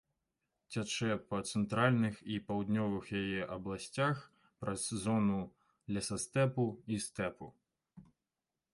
Цячэ па цэнтральных і паўднёвых яе абласцях праз зону лесастэпу і стэпу.